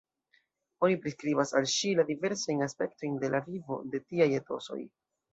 Oni priskribas al ŝi la diversajn aspektojn de la vivo de tiaj etosoj.